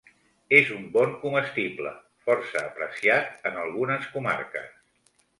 És un bon comestible, força apreciat en algunes comarques.